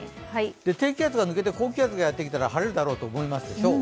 低気圧が抜けて高気圧がやってきたら晴れるだろうと思いますでしょう。